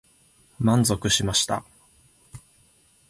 満足しました。